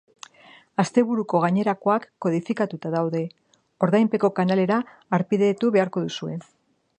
Asteburuko gainerakoak kodifikatuta daude, ordainpeko kanalera harpidetu beharko duzue.